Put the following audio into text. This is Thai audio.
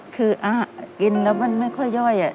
คือกินแล้วมันไม่ค่อยย่อย